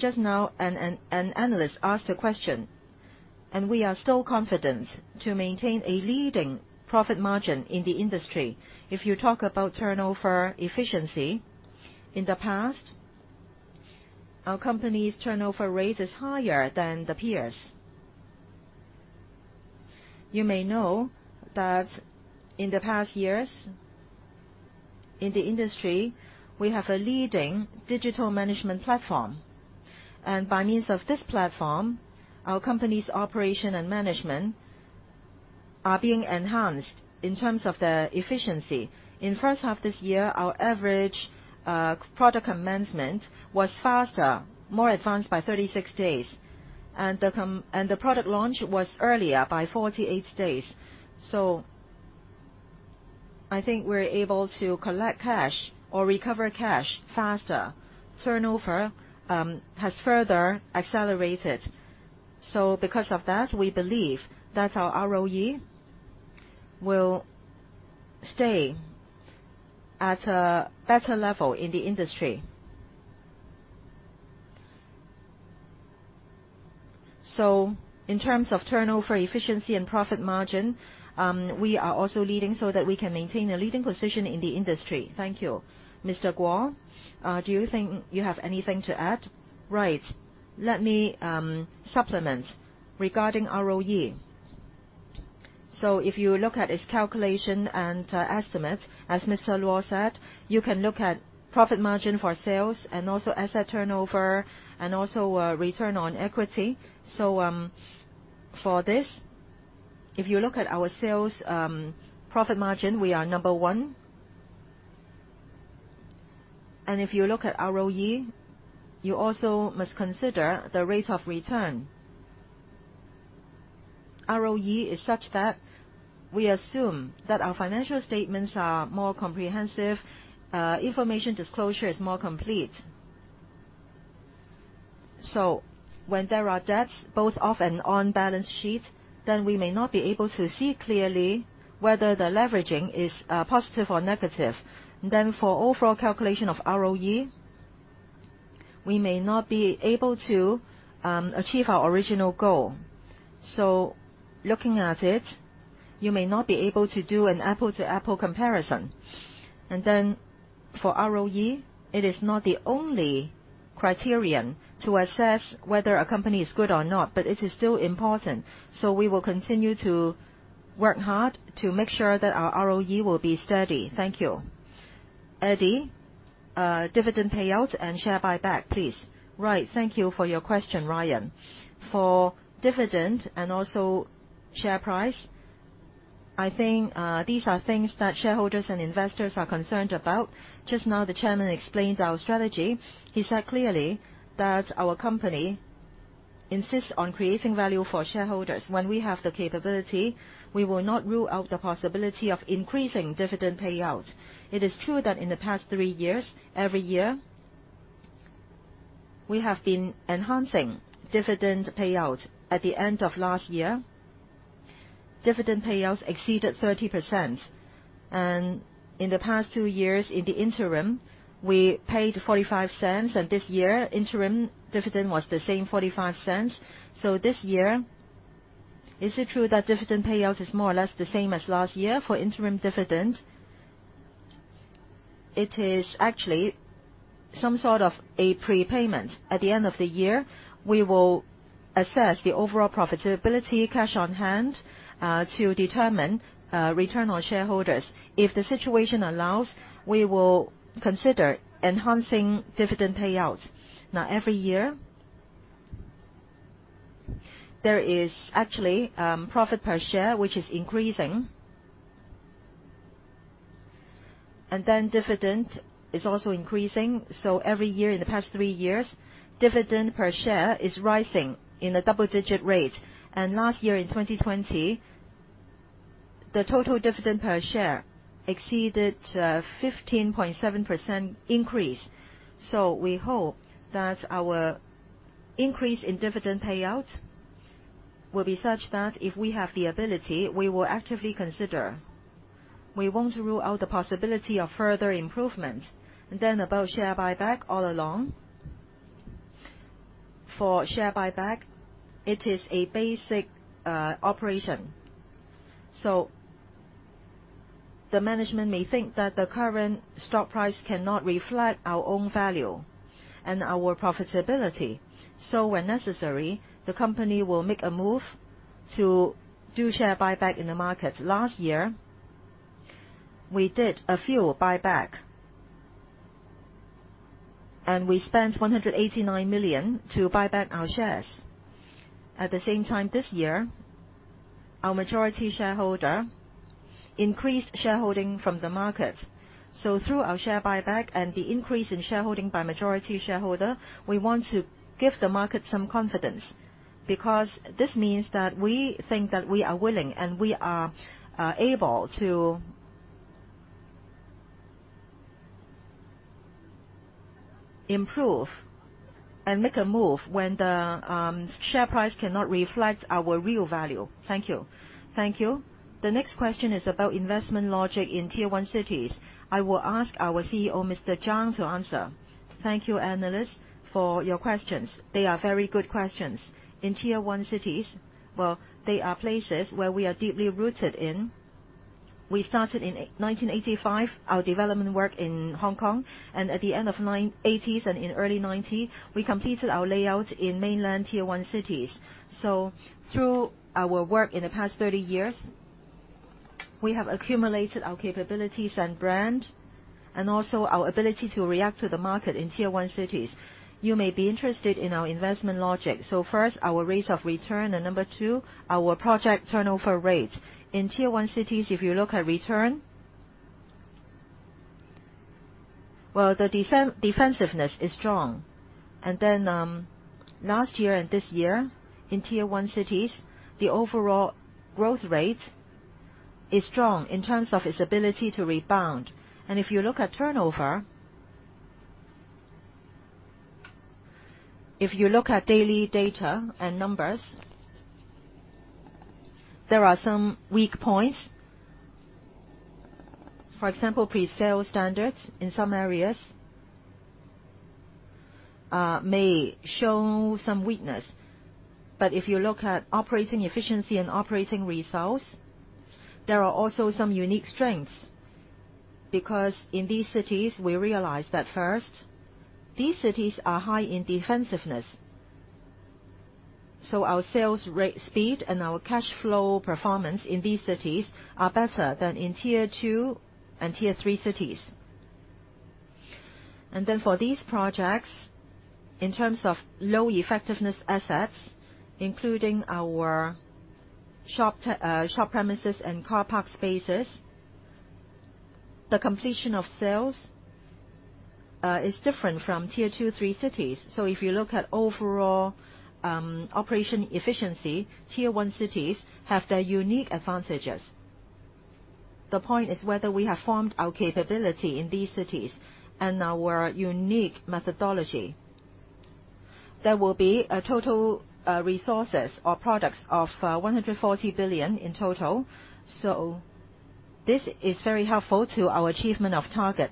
Just now an analyst asked a question, we are still confident to maintain a leading profit margin in the industry. If you talk about turnover efficiency, in the past, our company's turnover rate is higher than the peers. You may know that in the past years in the industry, we have a leading digital management platform. By means of this platform, our company's operation and management are being enhanced in terms of their efficiency. In first half this year, our average product commencement was faster, more advanced by 36 days. The product launch was earlier by 48 days. I think we're able to collect cash or recover cash faster. Turnover has further accelerated. Because of that, we believe that our ROE will stay at a better level in the industry. In terms of turnover efficiency and profit margin, we are also leading so that we can maintain a leading position in the industry. Thank you. Mr. Guo, do you think you have anything to add? Right. Let me supplement regarding ROE. If you look at its calculation and estimate, as Mr. Luo said, you can look at profit margin for sales and also asset turnover and also return on equity. For this, if you look at our sales profit margin, we are number one. If you look at ROE, you also must consider the rate of return. ROE is such that we assume that our financial statements are more comprehensive, information disclosure is more complete. When there are debts, both off and on-balance sheet, we may not be able to see clearly whether the leveraging is positive or negative. For overall calculation of ROE, we may not be able to achieve our original goal. Looking at it, you may not be able to do an apple-to-apple comparison. For ROE, it is not the only criterion to assess whether a company is good or not, but it is still important. We will continue to work hard to make sure that our ROE will be steady. Thank you. Eddie, dividend payout and share buyback, please. Right. Thank you for your question, Ryan. For dividend and also share price, I think these are things that shareholders and investors are concerned about. Just now, the chairman explained our strategy. He said clearly that our company insists on creating value for shareholders. When we have the capability, we will not rule out the possibility of increasing dividend payout. It is true that in the past three years, every year, we have been enhancing dividend payout. At the end of last year, dividend payouts exceeded 30%. In the past two years, in the interim, we paid 0.45, and this year, interim dividend was the same 0.45. This year, is it true that dividend payout is more or less the same as last year? For interim dividend, it is actually some sort of a prepayment. At the end of the year, we will assess the overall profitability, cash on hand, to determine return on shareholders. If the situation allows, we will consider enhancing dividend payouts. Every year, there is actually profit per share, which is increasing. Dividend is also increasing. Every year in the past three years, dividend per share is rising in a double-digit rate. Last year, in 2020, the total dividend per share exceeded 15.7% increase. We hope that our increase in dividend payouts will be such that if we have the ability, we will actively consider. We won't rule out the possibility of further improvements. About share buyback all along, for share buyback, it is a basic operation. The management may think that the current stock price cannot reflect our own value and our profitability. When necessary, the company will make a move to do share buyback in the market. Last year, we did a few buyback. We spent 189 million to buy back our shares. At the same time this year, our majority shareholder increased shareholding from the market. Through our share buyback and the increase in shareholding by majority shareholder, we want to give the market some confidence, because this means that we think that we are willing and we are able to improve and make a move when the share price cannot reflect our real value. Thank you. Thank you. The next question is about investment logic in tier one cities. I will ask our CEO, Mr. Zhang, to answer. Thank you, analysts, for your questions. They are very good questions. In Tier 1 cities, well, they are places where we are deeply rooted in. We started in 1985, our development work in Hong Kong. At the end of '80s and in early '90s, we completed our layout in mainland tier one cities. Through our work in the past 30 years, we have accumulated our capabilities and brand, and also our ability to react to the market in tier one cities. You may be interested in our investment logic. First, our rates of return, and number two, our project turnover rate. In tier one cities, if you look at return, well, the defensiveness is strong. Last year and this year in tier one cities, the overall growth rate is strong in terms of its ability to rebound. If you look at turnover, if you look at daily data and numbers, there are some weak points. For example, presale standards in some areas may show some weakness. If you look at operating efficiency and operating results, there are also some unique strengths. Because in these cities, we realize that first, these cities are high in defensiveness. Our sales speed and our cash flow performance in these cities are better than in tier two and tier three cities. For these projects, in terms of low effectiveness assets, including our shop premises and car park spaces, the completion of sales is different from tier two, three cities. If you look at overall operation efficiency, tier one cities have their unique advantages. The point is whether we have formed our capability in these cities and our unique methodology. There will be total resources or products of 140 billion in total. This is very helpful to our achievement of target.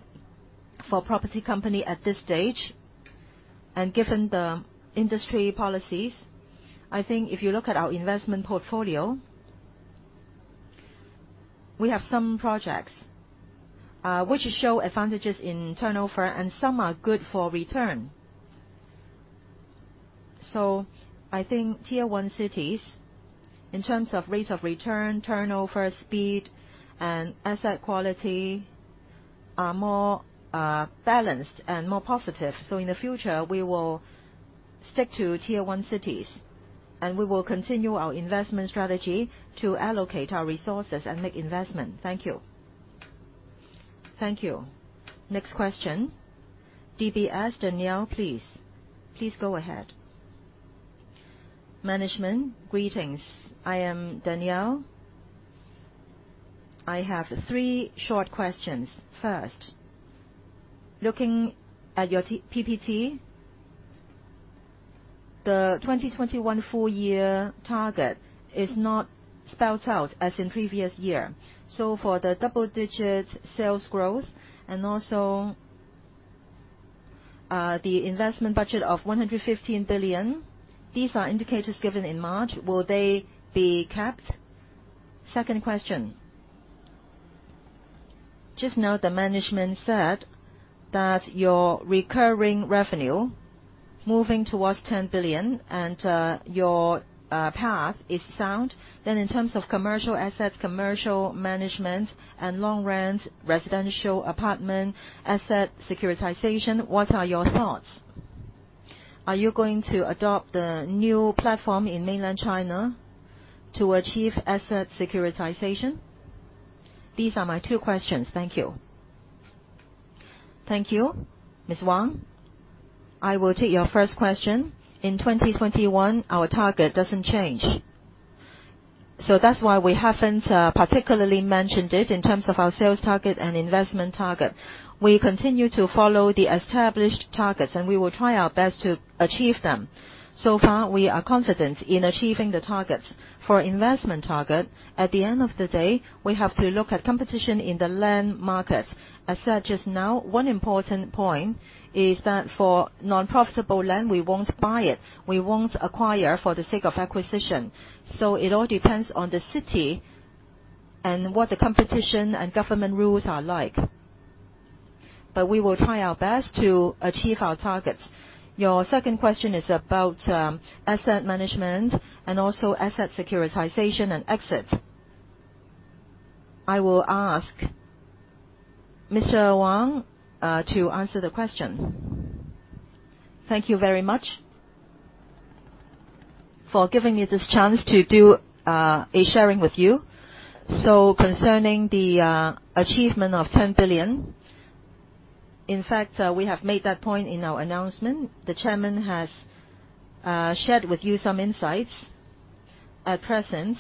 For property company at this stage, and given the industry policies, I think if you look at our investment portfolio, we have some projects which show advantages in turnover, and some are good for return. I think tier one cities, in terms of rates of return, turnover speed, and asset quality, are more balanced and more positive. In the future, we will stick to Tier 1 cities and we will continue our investment strategy to allocate our resources and make investment. Thank you. Next question. DBS, Danielle, please go ahead. Management, greetings. I am Danielle. I have three short questions. First, looking at your PPT, the 2021 full year target is not spelled out as in previous year. For the double-digit sales growth and also the investment budget of 115 billion, these are indicators given in March. Will they be capped? Second question, just now the management said that your recurring revenue moving towards 10 billion and your path is sound. In terms of commercial assets, commercial management and long rent, residential apartment, asset securitization, what are your thoughts? Are you going to adopt the new platform in mainland China to achieve asset securitization? These are my two questions. Thank you. Thank you. Ms. Wang, I will take your first question. In 2021, our target doesn't change, so that's why we haven't particularly mentioned it in terms of our sales target and investment target. We continue to follow the established targets, and we will try our best to achieve them. So far, we are confident in achieving the targets. For investment target, at the end of the day, we have to look at competition in the land market. As said just now, one important point is that for non-profitable land, we won't buy it. We won't acquire for the sake of acquisition. It all depends on the city and what the competition and government rules are like. We will try our best to achieve our targets. Your second question is about asset management and also asset securitization and exits. I will ask Mr. Wang to answer the question. Thank you very much for giving me this chance to do a sharing with you. Concerning the achievement of 10 billion, in fact, we have made that point in our announcement. The chairman has shared with you some insights. At present,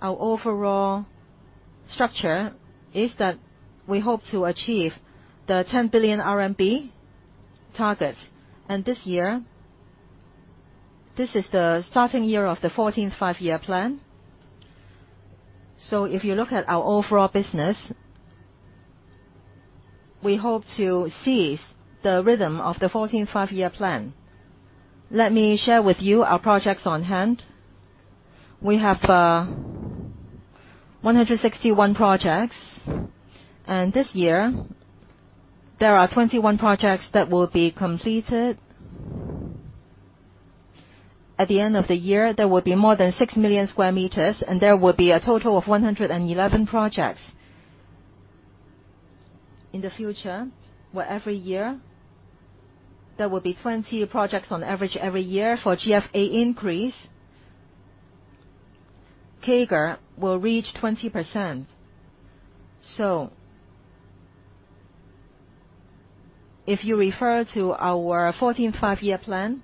our overall structure is that we hope to achieve the 10 billion RMB target. This year, this is the starting year of the 14th Five-Year Plan. If you look at our overall business, we hope to seize the rhythm of the 14th Five-Year Plan. Let me share with you our projects on hand. We have 161 projects, and this year, there are 21 projects that will be completed. At the end of the year, there will be more than 6 million sq m, and there will be a total of 111 projects. In the future, where every year there will be 20 projects on average every year. For GFA increase, CAGR will reach 20%. If you refer to our 14th Five-Year Plan,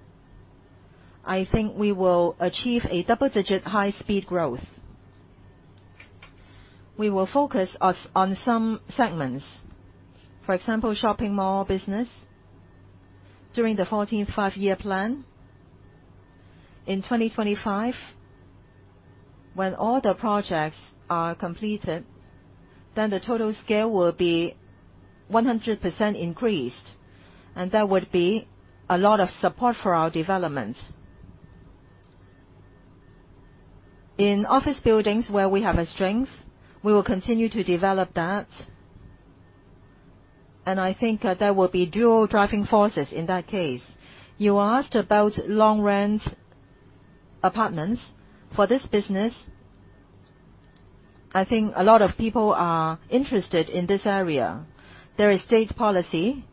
I think we will achieve a double-digit high speed growth. We will focus on some segments. For example, shopping mall business during the 14th Five-Year Plan. In 2025, when all the projects are completed, then the total scale will be 100% increased, and there would be a lot of support for our development. In office buildings where we have a strength, we will continue to develop that. I think that there will be dual driving forces in that case. You asked about long rent apartments. For this business, I think a lot of people are interested in this area. There is state policy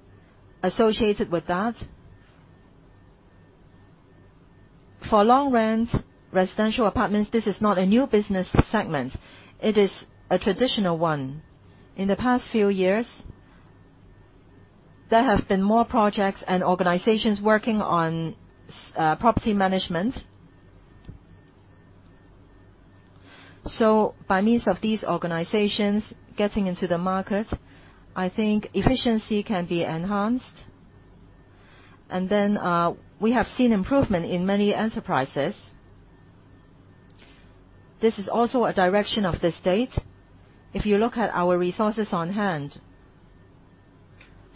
associated with that. For long rent residential apartments, this is not a new business segment. It is a traditional one. In the past few years, there have been more projects and organizations working on property management. By means of these organizations getting into the market, I think efficiency can be enhanced. We have seen improvement in many enterprises. This is also a direction of the state. If you look at our resources on hand,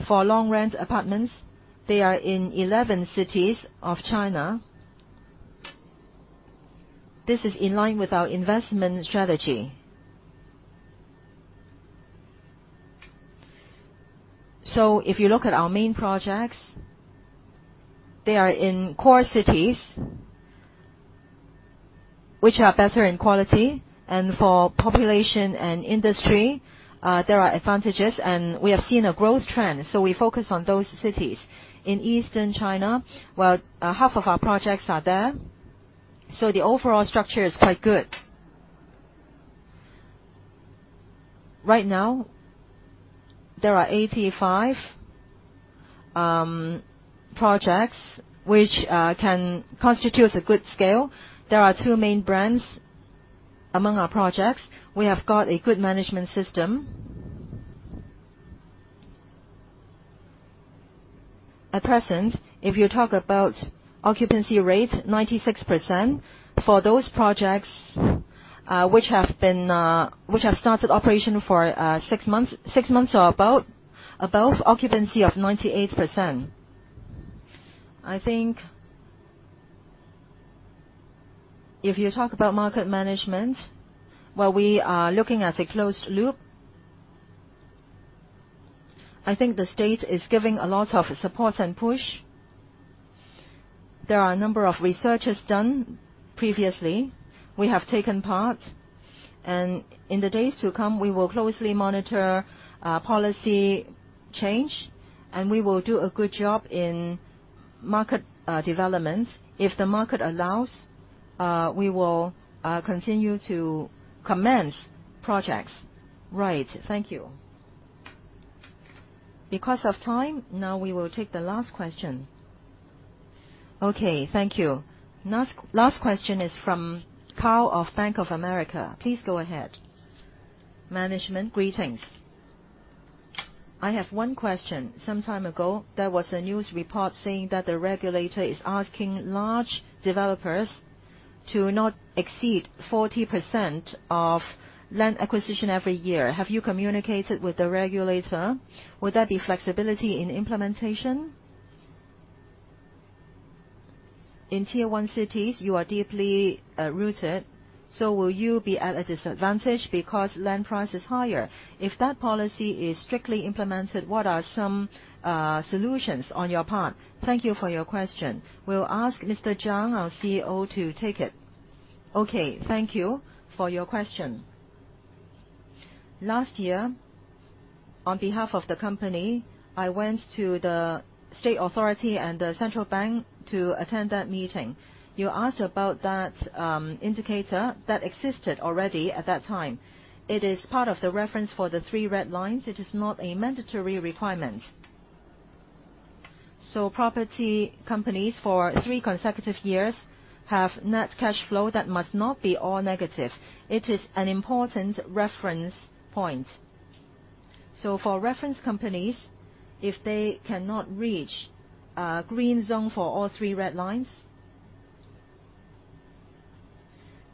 for long rent apartments, they are in 11 cities of China. This is in line with our investment strategy. If you look at our main projects, they are in core cities, which are better in quality. For population and industry, there are advantages. We have seen a growth trend. We focus on those cities in Eastern China. Well, half of our projects are there. The overall structure is quite good. Right now, there are 85 projects which can constitute a good scale. There are two main brands among our projects. We have got a good management system. At present, if you talk about occupancy rate, 96%. For those projects which have started operation for six months or above occupancy of 98%. I think if you talk about market management, well, we are looking at a closed loop. I think the state is giving a lot of support and push. There are a number of researches done previously. We have taken part. In the days to come, we will closely monitor policy change, and we will do a good job in market development. If the market allows, we will continue to commence projects. Right. Thank you. Because of time, now we will take the last question. Okay, thank you. Last question is from Karl of Bank of America. Please go ahead. Management, greetings. I have one question. Some time ago, there was a news report saying that the regulator is asking large developers to not exceed 40% of land acquisition every year. Have you communicated with the regulator? Would there be flexibility in implementation? In tier one cities, you are deeply rooted, so will you be at a disadvantage because land price is higher? If that policy is strictly implemented, what are some solutions on your part? Thank you for your question. We'll ask Mr. Zhang, our CEO, to take it. Okay, thank you for your question. Last year, on behalf of the company, I went to the state authority and the central bank to attend that meeting. You asked about that indicator that existed already at that time. It is part of the reference for the three red lines. It is not a mandatory requirement. Property companies for three consecutive years have net cash flow that must not be all negative. It is an important reference point. For reference companies, if they cannot reach a green zone for all three red lines,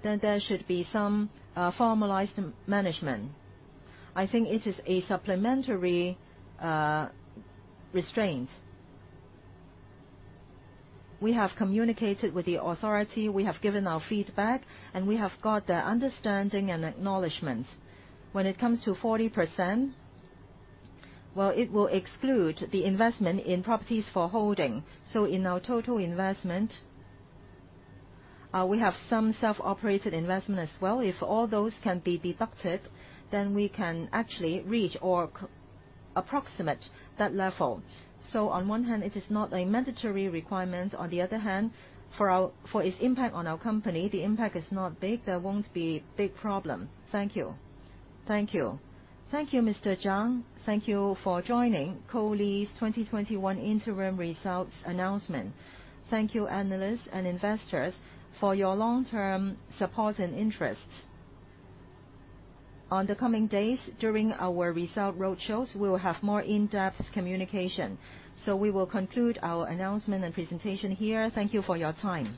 then there should be some formalized management. I think it is a supplementary restraint. We have communicated with the authority, we have given our feedback, and we have got their understanding and acknowledgement. When it comes to 40%, well, it will exclude the investment in properties for holding. In our total investment, we have some self-operated investment as well. If all those can be deducted, then we can actually reach or approximate that level. On one hand, it is not a mandatory requirement. On the other hand, for its impact on our company, the impact is not big. There won't be a big problem. Thank you. Thank you. Thank you, Mr. Zhang. Thank you for joining COLI's 2021 interim results announcement. Thank you, analysts and investors for your long-term support and interest. On the coming days, during our result road shows, we will have more in-depth communication. We will conclude our announcement and presentation here. Thank you for your time.